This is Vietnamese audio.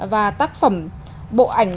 và tác phẩm bộ ảnh